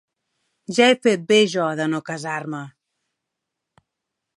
Ja he fet bé jo de no casar-me